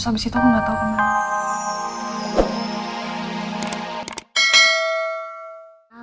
habis itu aku gak tau kenapa